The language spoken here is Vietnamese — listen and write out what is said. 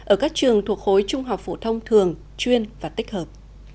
ở các trường thuộc khối trung học phổ thông thường chuyên và tích hợp